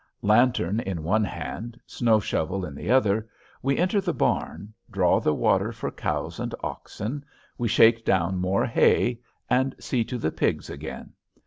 Lantern in one hand, snow shovel in the other, we enter the barn, draw the water for cows and oxen, we shake down more hay, and see to the pigs again.